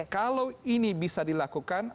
kalau ini bisa dilakukan